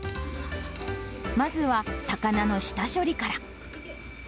まずは魚の下処理から。